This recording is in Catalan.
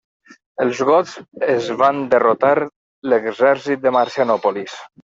Els gots es van derrotar l'exèrcit a Marcianòpolis.